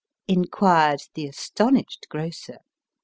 inquired the astonished grocer.